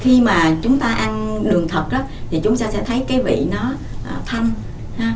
khi mà chúng ta ăn đường thật đó thì chúng ta sẽ thấy cái vị nó thanh